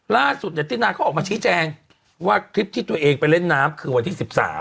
ล่าสุดตินาเขาออกมาชี้แจงว่าคลิปที่ตัวเองไปเล่นน้ำคือวันที่๑๓